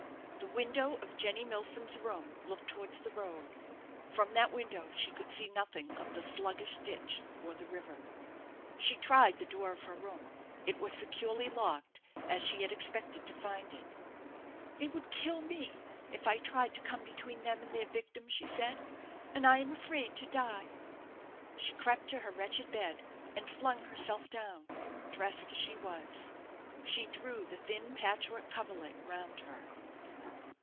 The window of Jenny Milsom's room looked towards the road. From that window she could see nothing of the sluggish ditch or the river. She tried the door of her room. It was securely locked, as she had expected to find it. "They would kill me, if I tried to come between them and their victim," she said; "and I am afraid to die." She crept to her wretched bed, and flung herself down, dressed as she was. She drew the thin patchwork coverlet round her.